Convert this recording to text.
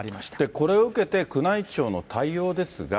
これを受けて、宮内庁の対応ですが。